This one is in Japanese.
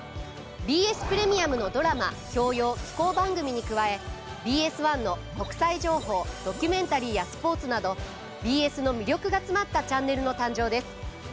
ＢＳプレミアムのドラマ教養紀行番組に加えＢＳ１の国際情報ドキュメンタリーやスポーツなどＢＳの魅力が詰まったチャンネルの誕生です。